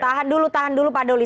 tahan dulu tahan dulu pak doli